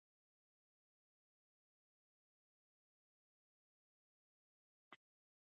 انګریزان به له ویرې تښتېدلي وي.